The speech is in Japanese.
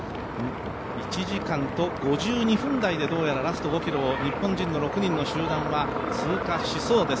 １時間５２分台でどうやらラスト５ｋｍを日本人の６人の集団は通過しそうです。